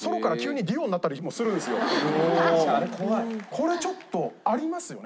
これちょっとありますよね？